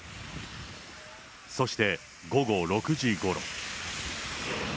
そして午後６時ごろ。